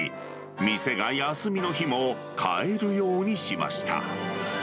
店が休みの日も買えるようにしました。